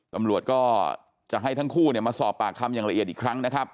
ตำรวจก็จะให้ทั้งคู่มาสอบปากคำอย่างละเอียดอีกครั้งนะครับ